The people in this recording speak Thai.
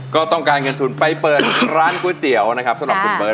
ก็ต้องการเงินทุนไปเปิดร้านก๋วยเตี๋ยวนะครับสำหรับคุณเบิร์ต